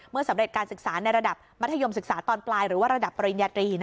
สำเร็จการศึกษาในระดับมัธยมศึกษาตอนปลายหรือว่าระดับปริญญาตรี